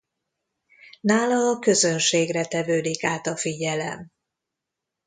Nála a közönségre tevődik át a figyelem.